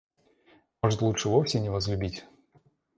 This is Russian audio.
Может, лучше вовсе не возлюбить?